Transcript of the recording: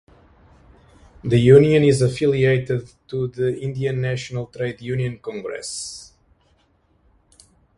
The union is affiliated to the Indian National Trade Union Congress.